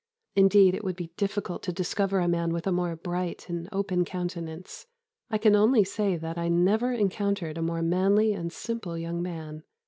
Indeed it would be difficult to discover a man with a more bright and open countenance.... I can only say that I never encountered a more manly and simple young man.